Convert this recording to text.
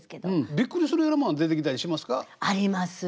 びっくりするようなもんは出てきたりしますか？